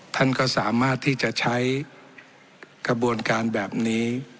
ท่านก็สามารถที่จะใช้กระบวนการแบบนี้